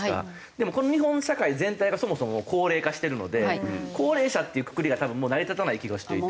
でも日本社会全体がそもそも高齢化してるので「高齢者」っていうくくりが多分もう成り立たない気がしていて。